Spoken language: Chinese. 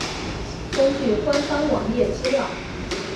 根据官方网页资料。